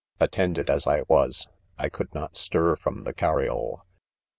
4 Attended as I was, I could not stir from the cariole.